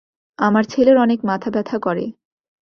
আমার ছেলের অনেক মাথা ব্যথা করে।